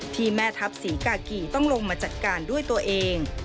แม่ทัพศรีกากีต้องลงมาจัดการด้วยตัวเอง